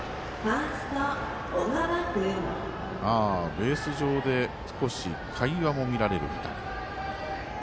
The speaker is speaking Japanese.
ベース上で少し会話も見られる２人。